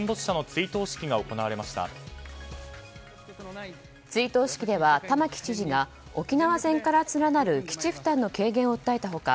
追悼式では玉城知事が沖縄戦から連なる基地負担の軽減を訴えた他